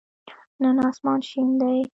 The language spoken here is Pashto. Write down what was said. نن آسمان شین دی